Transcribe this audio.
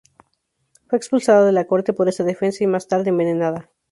Fue expulsada de la corte por esa defensa y más tarde envenenada.